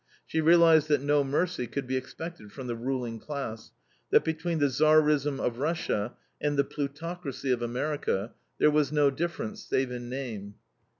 She realized that no mercy could be expected from the ruling class, that between the Tsarism of Russia and the plutocracy of America there was no difference save in name.